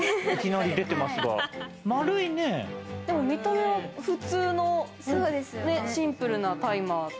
見た目は普通のシンプルなタイマー。